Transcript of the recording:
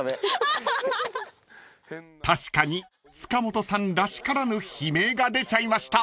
［確かに塚本さんらしからぬ悲鳴が出ちゃいました］